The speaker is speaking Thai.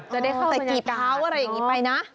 จะได้เข้าใจกีบเท้าอะไรอย่างนี้ไปนะ